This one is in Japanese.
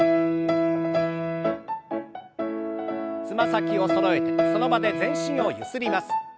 つま先をそろえてその場で全身をゆすります。